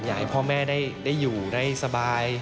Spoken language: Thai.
อยากให้พ่อแม่ได้อยู่ได้สบาย